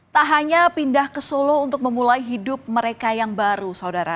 tak hanya pindah ke solo untuk memulai hidup mereka yang baru saudara